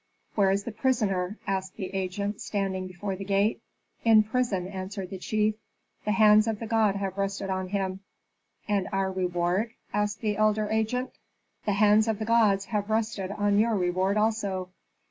"Where is the prisoner?" asked the agents standing before the gate. "In prison," answered the chief; "the hands of the gods have rested on him." "And our reward?" asked the elder agent. "The hands of the gods have rested on your reward also.